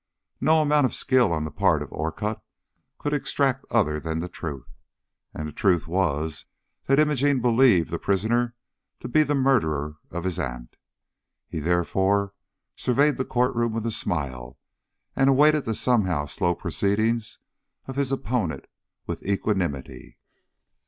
No amount of skill on the part of Orcutt could extract other than the truth, and the truth was that Imogene believed the prisoner to be the murderer of his aunt. He, therefore, surveyed the court room with a smile, and awaited the somewhat slow proceedings of his opponent with equanimity.